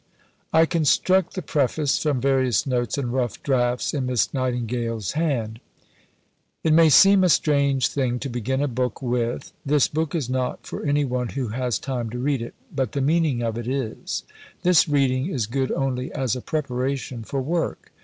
II I construct the Preface from various notes and rough drafts in Miss Nightingale's hand: It may seem a strange thing to begin a book with: this Book is not for any one who has time to read it but the meaning of it is: this reading is good only as a preparation for work.